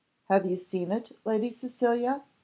"Have you seen it, Lady Cecilia?"